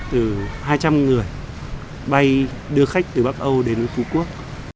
từ hai trăm linh người bay đưa khách từ bắc âu đến phú quốc